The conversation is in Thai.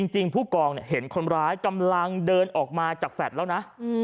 ผู้กองเห็นคนร้ายกำลังเดินออกมาจากแฟลต์แล้วนะ